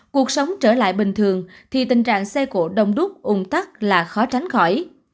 cuộc sống trở lại bình thường thì tình trạng xe cộ đông đúc ung thắt là khó tránh khỏi